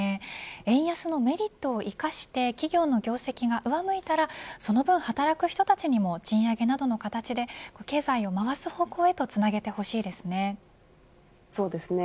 円安のメリットを生かして企業の業績が上向いたらその分働く人たちにも賃上げなどの形で経済を回す方向へとつなげてほしいですね。